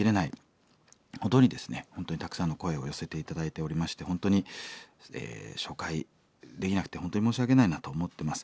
本当にたくさんの声を寄せて頂いておりまして本当に紹介できなくて本当に申し訳ないなと思ってます。